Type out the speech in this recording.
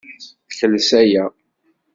Kles aya.